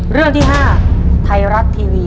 เรื่องที่๕ไทยรัฐทีวี